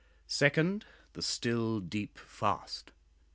Second, "The still deep fast."